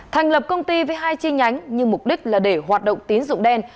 thành lập công ty với hai chi nhánh nhưng mục đích là để hoạt động tín dụng đen